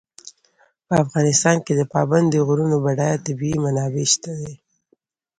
په افغانستان کې د پابندي غرونو بډایه طبیعي منابع شته دي.